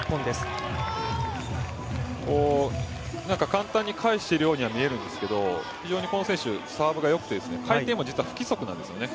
簡単に返しているように見えるんですけども非常にこの選手、サーブがよくて回転も実は不規則なんですよね。